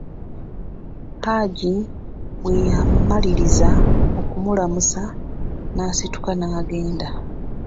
Haji bwe yamaliriza okumulamusa n'asituka naagenda.